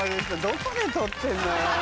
どこで獲ってんのよ。